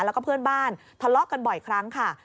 แล้วก็เพื่อนบ้านทะเลาะกันบ่อยครั้งค่ะ